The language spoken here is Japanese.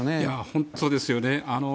本当ですよね。